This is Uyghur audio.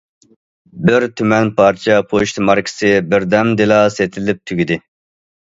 بىر تۈمەن پارچە پوچتا ماركىسى بىردەمدىلا سېتىلىپ تۈگىدى.